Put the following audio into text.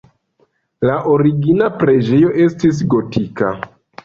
La origina preĝejo estis gotika.